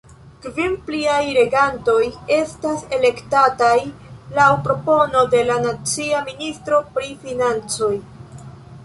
Kvin pliaj regantoj estas elektataj laŭ propono de la nacia ministro pri financoj.